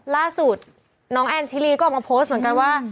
ล่าสุดน้องแอนชิลีก็ออกมาโพสต์เหมือนกันว่า